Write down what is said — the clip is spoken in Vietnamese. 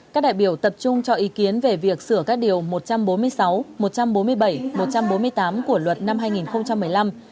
các đại biểu tập trung cho ý kiến về việc sửa các điều một trăm bốn mươi sáu một trăm bốn mươi bảy một trăm bốn mươi tám của luật năm hai nghìn một mươi năm